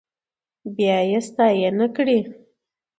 بيا يې ستاينه کړې.